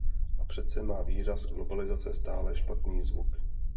A přece má výraz globalizace stále špatný zvuk.